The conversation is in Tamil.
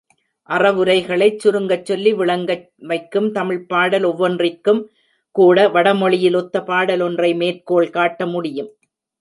அறவுரைகளைச் சுருங்கச் சொல்லி விளங்க வைக்கும் தமிழ்ப் பாடல் ஒவ்வொன்றிற்கும்கூட வடமொழியில் ஒத்த பாடலொன்றை மேற்கோள் காட்ட முடியும்.